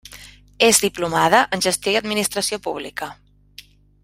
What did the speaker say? És diplomada en Gestió i Administració Pública.